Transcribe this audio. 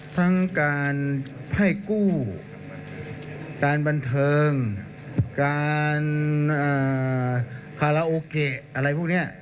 ทั้งการให้กู้การบันเทิงการคาราโอเกะอะไรพวกนี้